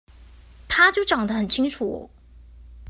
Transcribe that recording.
他就講得很清楚